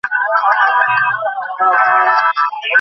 এইতো, আয়!